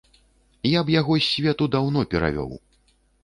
Я б яго з свету даўно перавёў.